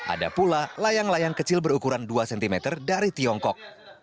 ada pula layang layang kecil berukuran dua cm dari tiongkok